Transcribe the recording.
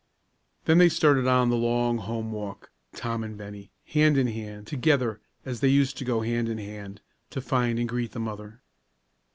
Then they started on the long home walk, Tom and Bennie, hand in hand together, as they used to go hand in hand, to find and greet the mother.